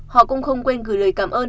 họ cũng không quên gửi lời cảm ơn